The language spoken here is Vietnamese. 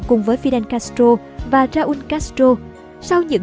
của fidel castro và raul castro sau những